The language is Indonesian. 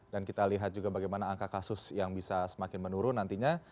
dan kita lihat juga bagaimana angka kasus yang bisa semakin menurun nantinya